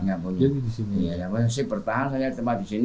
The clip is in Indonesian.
maksudnya yang masih bisa ditanamin